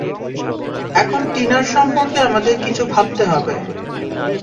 এখন টিনার সম্পর্কে আমাদের কিছু ভাবতে হবে।